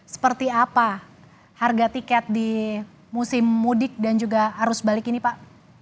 seperti apa harga tiket di musim mudik dan juga arus balik ini pak